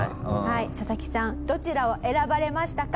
ササキさんどちらを選ばれましたか？